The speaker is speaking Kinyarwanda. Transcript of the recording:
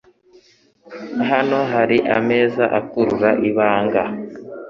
Hano hari ameza akurura ibanga.